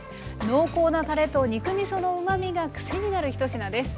濃厚なたれと肉みそのうまみが癖になる１品です。